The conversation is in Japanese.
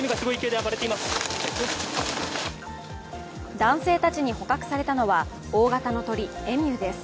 男性たちに捕獲されたのは大型の鳥エミューです。